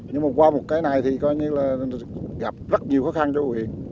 nhưng mà qua một cái này thì coi như là gặp rất nhiều khó khăn cho huyện